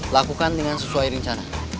lakukan dengan sesuai rencana